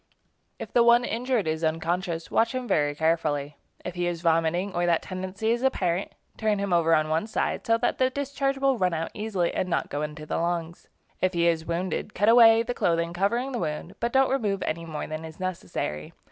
If the one injured is unconscious, watch him very carefully. If he is vomiting, or that tendency is apparent, turn him over on one side so that the discharge will run out easily and not go into the lungs. If he is wounded, cut away the clothing covering the wound, but don't remove any more than is necessary.